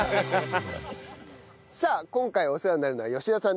さあ今回お世話になるのは吉田さんです。